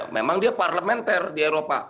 memang dia parlementer di eropa